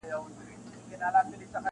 له قاضي تر احوالداره له حاکم تر پیره داره-